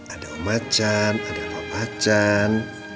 ada om achan ada papa achan